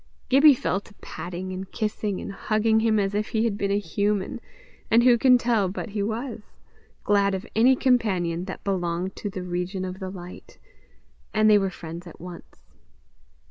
Gibbie fell to patting and kissing and hugging him as if he had been a human as who can tell but he was? glad of any companion that belonged to the region of the light; and they were friends at once.